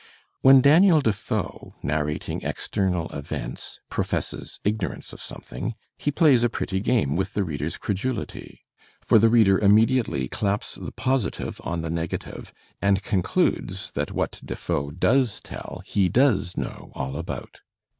When Daniel Defoe, narrating external events, professes ignorance of something, he plays a pretty game with the reader's credulity; for the reader inmiediately claps the positive on the negative and concludes that what Digitized by Google 834 THE SPIRIT OF AMERICAN LITERATURE Defoe does tell he does know all about.